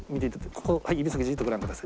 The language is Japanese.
ここ指先じっとご覧ください。